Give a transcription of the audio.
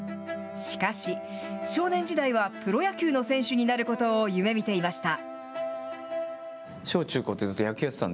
しかし、少年時代はプロ野球の選手になることを夢みていました。